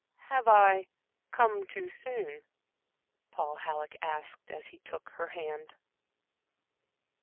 "Have I come too soon?" Paul Halleck asked, as he took her hand.